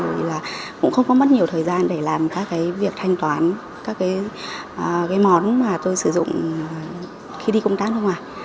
rồi là cũng không có mất nhiều thời gian để làm các cái việc thanh toán các cái món mà tôi sử dụng khi đi công tác nước ngoài